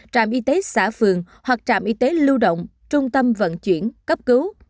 trạm y tế xã phường hoặc trạm y tế lưu động trung tâm vận chuyển cấp cứu